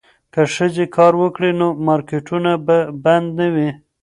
که ښځې کار وکړي نو مارکیټونه به بند نه وي.